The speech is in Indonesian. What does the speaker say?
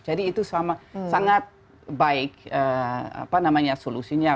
jadi itu sangat baik solusinya